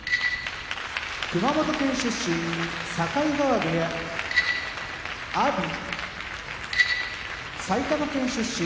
熊本県出身境川部屋阿炎埼玉県出身